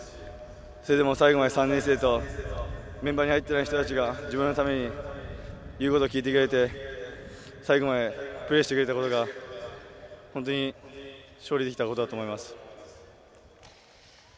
それでも最後まで３年生とメンバーに入ってない人たちが自分のために言うことを聞いてくれて最後までプレーしてくれたことが本当に勝利できたことだと思います。